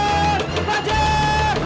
kau tidak tahu orhoi